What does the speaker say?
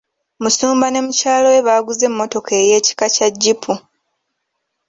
Musumba ne mukyalawe baaguze emmotoka ey'ekika kya Jjipu.